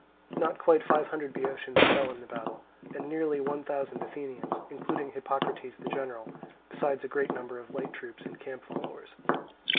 Not quite five hundred Boeotians fell in the battle, and nearly one thousand Athenians, including Hippocrates the general, besides a great number of light troops and camp followers.